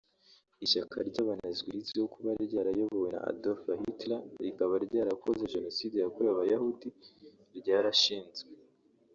Ishyaka ry’aba-Nazi rizwiho kuba ryarayobowe na Adolf Hitler rikaba ryarakoze Jenoside yakorewe abayahudi ryarashinzwe